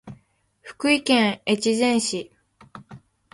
福井県越前市